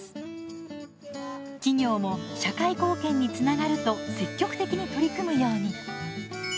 企業も社会貢献につながると積極的に取り組むように。